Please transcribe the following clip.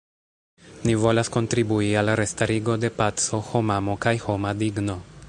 Ni volas kontribui al restarigo de paco, homamo kaj homa digno.